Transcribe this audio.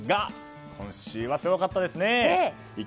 今週はすごかったですね。